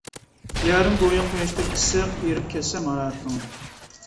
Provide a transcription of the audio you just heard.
يارىم گويا قۇياشتەك ئىسسىق، ئېرىپ كەتسەم ھارارىتىڭدە.